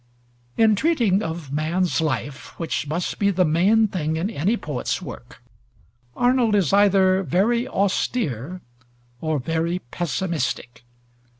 In treating of man's life, which must be the main thing in any poet's work, Arnold is either very austere or very pessimistic.